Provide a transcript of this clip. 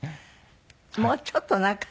もうちょっとなんか。